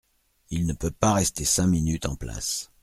Il ne peut pas rester cinq minutes en place…